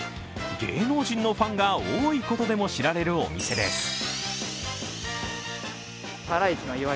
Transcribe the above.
芸能人のファンが多いことでも知られるお店です。